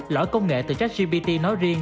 lõi công nghệ từ jack gpt nói riêng